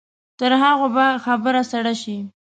تر هغو به خبره سړه شي.